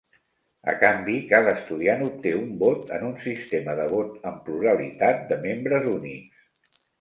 A canvi, cada estudiant obté un vot en un sistema de vot amb pluralitat de membres únics.